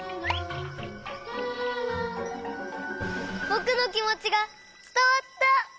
ぼくのきもちがつたわった！